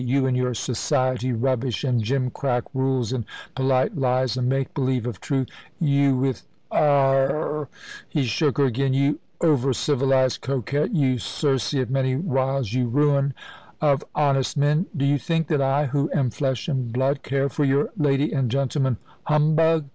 You and your society rubbish, and gimcrack rules, and polite lies, and make believe of truth! You with ah r r r!" he shook her again "you over civilised coquette, you Circe of many wiles, you ruin of honest men! Do you think that I, who am flesh and blood, care for your lady and gentleman humbug?